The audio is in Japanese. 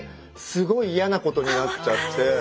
すごい嫌なことになっちゃって。